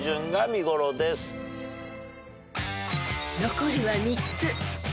［残るは３つ］